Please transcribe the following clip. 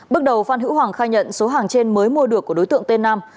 bước đầu phan hữu hoàng khai nhận số hàng trên mới mua được của đối tượng tên nam